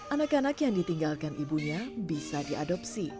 anak anak yang ditinggalkan ibunya bisa diadopsi